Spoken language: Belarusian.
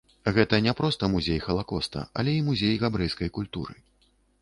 Гэта не проста музей халакоста, але і музей габрэйскай культуры.